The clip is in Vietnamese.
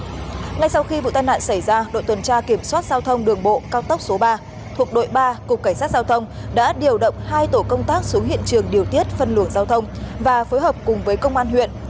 ngay sau khi vụ tai nạn xảy ra đội tuần tra kiểm soát giao thông đường bộ cao tốc số ba thuộc đội ba cục cảnh sát giao thông đã điều động hai tổ công tác xuống hiện trường điều tiết phân luồng giao thông và phối hợp cùng với công an huyện